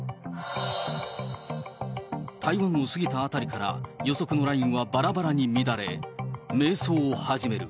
台湾を過ぎた辺りから、予測のラインはばらばらに乱れ、迷走を始める。